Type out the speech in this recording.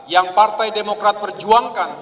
yang partai demokrat perjuangkan